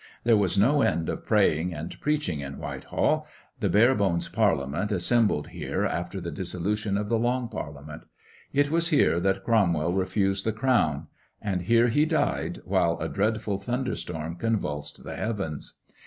There was no end of praying and preaching in Whitehall; the Barebones Parliament assembled here after the dissolution of the Long Parliament; it was here that Cromwell refused the crown; and here he died, while a dreadful thunderstorm convulsed the heavens.